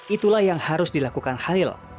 itulah yang harus dilakukan halil